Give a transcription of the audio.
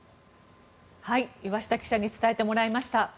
岩下記者に伝えてもらいました。